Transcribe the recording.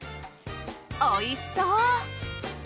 おいしそう！